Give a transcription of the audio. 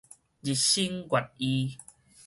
日新月異